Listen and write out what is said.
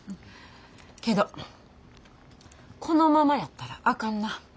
けどこのままやったらあかんな。